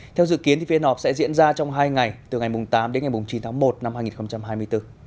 theo dự kiến phiên họp sẽ diễn ra trong hai ngày từ ngày tám đến ngày chín tháng một năm hai nghìn hai mươi bốn